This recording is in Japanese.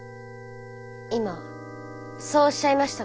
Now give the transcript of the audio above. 今そうおっしゃいましたか？